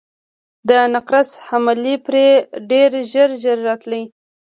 د نقرس حملې پرې ډېر ژر ژر راتلې.